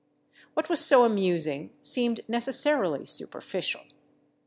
What was so amusing seemed necessarily superficial.